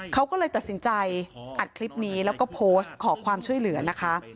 เขาก็เลยตัดสินใจอัดคลิปนี้แล้วก็โพสต์ขอความช่วยเหลือนะคะ